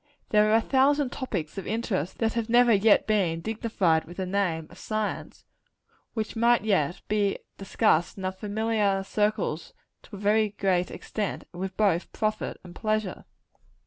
There are a thousand topics of interest that have never yet been dignified with the name of science, which might yet be discussed in our familiar circles to a very great extent, and with both profit and pleasure.